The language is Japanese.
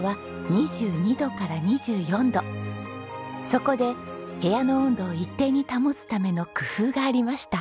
そこで部屋の温度を一定に保つための工夫がありました。